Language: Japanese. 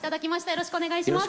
よろしくお願いします。